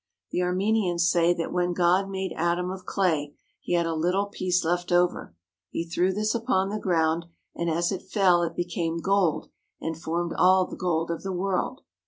The Armenians say that when God made Adam of clay, he had a little piece left over. He threw this upon the ground, and as it fell it became gold and formed all the gold of the world.